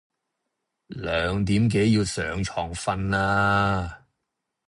兩點幾要上床瞓啦